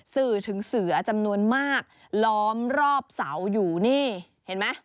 สื่อถึงเสือจำนวนมากล้อมรอบเสาอยู่นี่เห็นไหม